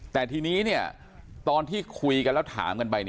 แต่ทีนี้ตอนที่คุยกันแล้วถามกันไป